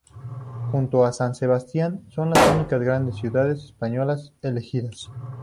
Junto con San Sebastián, son las únicas grandes ciudades españolas elegidas.